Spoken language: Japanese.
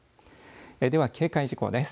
では警戒事項です。